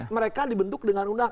mereka dibentuk dengan undang